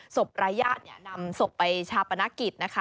สมรยะนี่นำสมไปชาปนกิจนะคะ